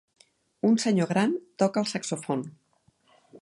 Un senyor gran toca el saxofon.